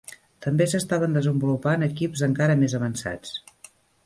També s'estaven desenvolupant equips encara més avançats.